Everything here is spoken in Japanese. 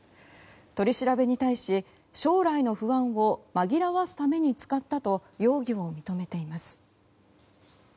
取り調べに対し将来の不安を紛らわすために使ったと容疑を認めています。